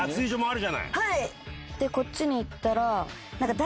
でこっちに行ったら。